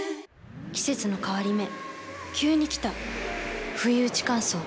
季節の変わり目急に来たふいうち乾燥。